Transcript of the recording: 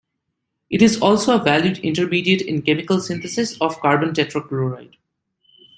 It is also a valued intermediate in chemical synthesis of carbon tetrachloride.